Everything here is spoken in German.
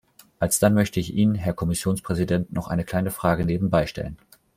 Alsdann möchte ich Ihnen, Herr Kommissionspräsident, noch eine kleine Frage nebenbei stellen.